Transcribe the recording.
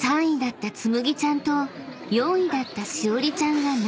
［３位だったつむぎちゃんと４位だったしおりちゃんが］